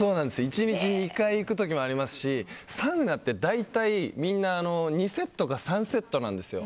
１日２回行く時もありますしサウナって大体みんな２セットか３セットなんですよ。